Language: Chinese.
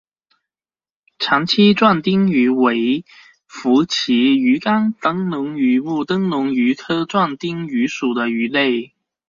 长鳍壮灯鱼为辐鳍鱼纲灯笼鱼目灯笼鱼科壮灯鱼属的鱼类。